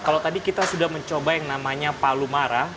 kalau tadi kita sudah mencoba yang namanya palu mara